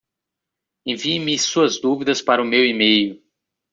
Envie-me suas dúvidas para o meu e-mail.